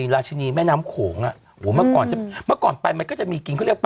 ไม่รู้ฉันมึงจะซื้อสะอะไรสักอย่างเนี่ย